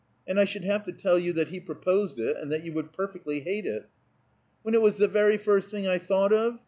And I should have to tell you that he proposed it, and that you would perfectly hate it." "When it was the very first thing I thought of?